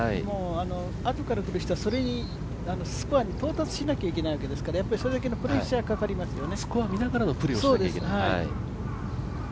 あとから来る人はスコアに到達しないといけないからやっぱりそれだけのプレッシャーはかかりますよね。